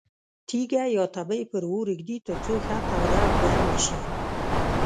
تیږه یا تبۍ پر اور ږدي ترڅو ښه توده او ګرمه شي.